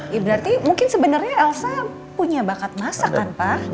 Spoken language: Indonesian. ya berarti mungkin sebenarnya elsa punya bakat masak kan pak